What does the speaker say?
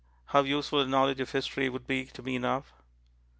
How useful a knowledge of history would be to me now.